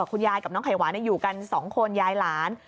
คุณยายกับน้องไขว้เนี่ยอยู่กันสองคนยายหลาน